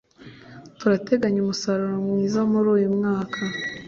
Turateganya umusaruro mwiza muri uyu mwaka.